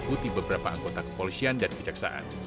yang juga diikuti beberapa anggota kepolisian dan kejaksaan